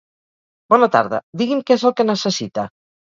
Bona tarda, digui'm què és el que necessita.